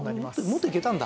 もっといけたんだ。